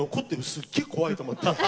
すげえ怖い」って思って。